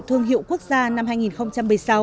thương hiệu quốc gia năm hai nghìn một mươi sáu